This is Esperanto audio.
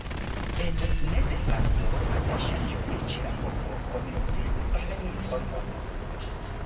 En Nederlando, la ŝanĝoj ĉe la povo komencis preni formon.